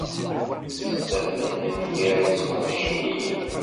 Isaffen n nnger sweḥcen-iyi.